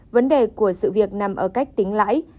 vấn đề của sự việc nằm ở cách tính lãi